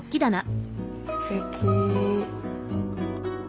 すてき。